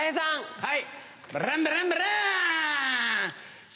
はい。